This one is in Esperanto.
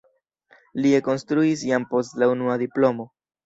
Li ekinstruis jam post la unua diplomo.